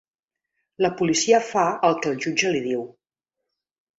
La policia fa el que el jutge li diu.